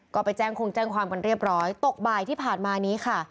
ก็ไปแจ้งคงแจ้งความกันเรียบร้อยตกบ่ายที่ผ่านมานี้ค่ะ